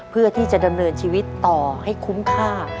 เพื่อที่จะดำเนินชีวิตต่อให้คุ้มค่า